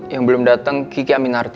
yang belum datang kiki aminarta